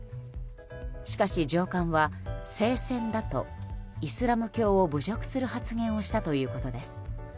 しかし上官は聖戦だとイスラム教を侮辱する発言をしたということです。